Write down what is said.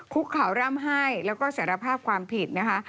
คุกข่าวร่ำไห้แล้วก็สารภาพความผิดนะคะ